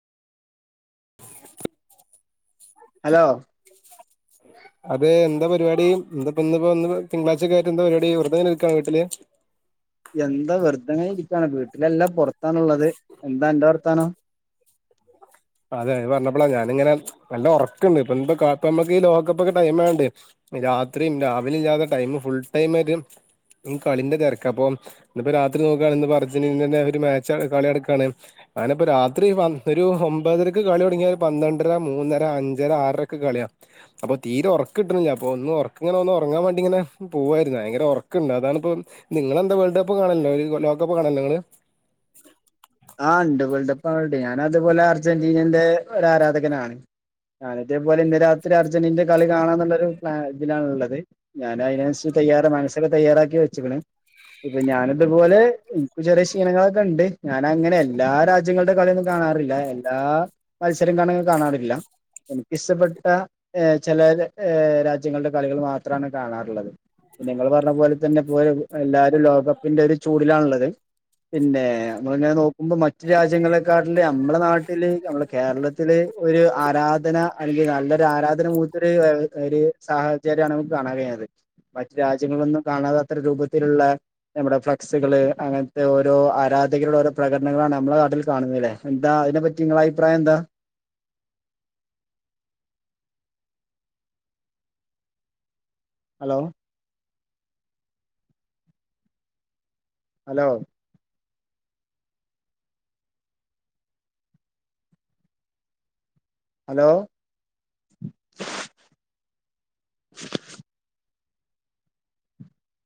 Hello [unintelligible] അത് എന്ത പരിവാടി എന്താപ്പന്ന് പ്പോ ഇന്ന്പൊ തിളാഴ്ചക്കായിട്ടെന്താ പരിവാടി വെറ്തെ ങ്ങനെ നിക്കാണോ വീട്ട്ല്. എന്താ വെറ്തെങ്ങനെരിക്കാണ് വീട്ടിലല്ല പൊർത്താണ്ള്ളത്. എന്താ അന്റെ വർത്താനം? അതെ അത് പർഞ്ഞപ്പളാ ഞാനിങ്ങനെ നല്ല ഒറക്ക്ണ്ട് ഇപ്പെന്ത് കാത്തമക്ക് ഈ ലോകകപ്പ്ക്കെ ടൈംമായൊണ്ടേ രാത്രിം രാവിലില്ലാതെ ടൈംമ് ഫുൾ ടൈമരും ഈ കളിന്റെ തെര്ക്ക അപ്പൊ ഇന്ന് പ്പോ രാത്രി നോക്കാണ് ഇന്ന്പ്പോ അർജന്റീന് ന് ന്ന്ന്റെ ഒരു മാച്ച കള്യട്ക്കാണ്. ഞാന്പ്പോ രാത്രി പ ഒരു ഒ മ്പതരക്ക് കള്യൊട്ങ്ങ്യാ ഒരു പന്ത്രണ്ടര മൂന്നര അഞ്ചര ആറരൊക്കെ കള്യാ. അപ്പോ തീരെ ഓർക്ക്ട്ട്ണ്ല്ല്യ പ്പോ ഒന്ന് ഓർക്ക്ങ്ങനെ ഒന്നൊറങ്ങാ വേണ്ടിങ്ങനെ പോവായിര്ന്നു വയങ്കര ഓർക്ക്ണ്ട് അതാണ്പ്പം നിങ്ങളെന്താ വേൾഡ് കപ്പ് കാണല്ണ്ടോ ഈ ലോകകപ്പ് കാണല്ണ്ടോ ങ്ങള്? ആഹ് ണ്ട് വേൾഡ് കപ്പ് കാണൽണ്ട് ഞാനത്പോലെ അർജന്റീനന്റെ ഒരാരാധകനാണ്. അന്നത്തെ പോലെ ഇന്ന് രാത്രി അർജന്റീനന്റെ കളി കാണാന്ന്ള്ളൊരു പ്ലാ ഇതിലാണ്ള്ളത്. ഞാനയ്നെൻസ് തെയ്യാറാ മൻസ്സ് സൊക്കെ തയ്യാറാക്കി വെച്ക്ക്ണ് ഇപ്പൊ ഞാന് ത്പോലെ ഇൻക്ക് ചെറ്യേ ക്ഷീണങ്ങളൊക്കെ ണ്ട്. ഞാനങ്ങനെ എല്ലാ രാജ്യങ്ങൾടെ കള്യൊന്നും കാണാറില്ല. എല്ലാ മത്സരം ന്താണ് കാണാറില്ല. എനിക്കിഷ്ടപ്പെട്ട ഏഹ് ചെല ഏഹ് രാജ്യങ്ങൾടെ കളികള് മാത്രാണ് കാണാറ്ള്ളത്. പിന്നെ ഇങ്ങള് പർഞ്ഞ പോലെ തന്നെ പോ എല്ലാരും ലോകകപ്പിന്റെ ഒരു ചൂടിലാണ്ള്ളത്. പിന്നെ അമ്മള് ങ്ങനെ നോക്കുമ്പോ മറ്റു രാജ്യങ്ങളെക്കാട്ടില് അമ്മളെ നാട്ടില് അമ്മളെ കേരളത്തില് ഒരു ആരാധന അല്ലെങ്കി നല്ലൊരാരാധന മൂത്തൊര് [unintelligible] ഒരു സാഹചര്യാണ് അമ്മക്ക് കാണാൻ കയ്ണത്. മറ്റു രാജ്യങ്ങളിലൊന്നും കാണാതത്ര രൂപത്തില്ള്ള നമ്മടെ ഫ്ലക്സ്കള് അങ്ങൻത്തൊരോ ആരാ [unintelligible] ഓരോ പ്രകടനങ്ങളാണ് അമ്മളെ നാട്ടിൽ കാണുന്നത് ല്ലെ. എന്താ അയ്നെ പറ്റി നിങ്ങളഭിപ്രായന്താ. Hello hello hello